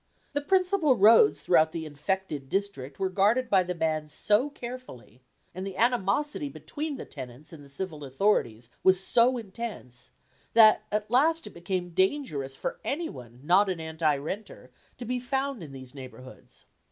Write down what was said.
The principal roads throughout the infected district were guarded by the bands so carefully, and the animosity between the tenants and the civil authorities was so intense, that at last it became dangerous for any one not an anti renter to be found in these neighbourhoods.